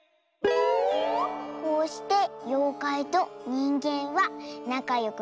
「こうしてようかいとにんげんはなかよくくらしましたとさ。